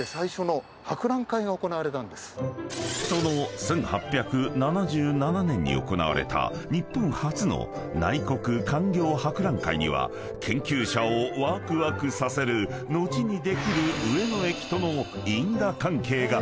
［その１８７７年に行われた日本初の内国勧業博覧会には研究者をわくわくさせる後にできる上野駅との因果関係が］